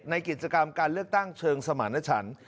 ในกิจกรรมการเลือกตั้งเชิงสมารณชัน